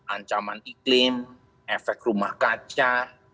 ancaman iklim efek rumah kaca